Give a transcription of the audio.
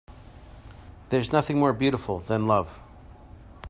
There's nothing more beautiful than love.